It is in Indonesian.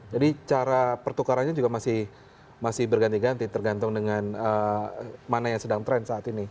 jadi cara pertukarannya juga masih berganti ganti tergantung dengan mana yang sedang trend saat ini